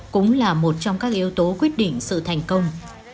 cũng là một trong các yếu tố quyết định sự thành công